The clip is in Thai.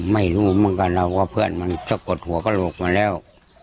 ไม่รู้เหมือนกันนะว่าเพื่อนมันสะกดหัวกระโหลกมาแล้ว